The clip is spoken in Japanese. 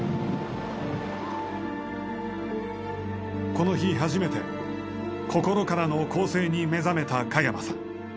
この日初めて心からの更生に目覚めた加山さん。